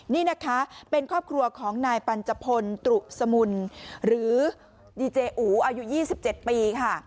นี่นะคะเป็นครอบครัวของนายปัญจพลตรุสมุนหรือดีเจอูอายุ๒๗ปีค่ะ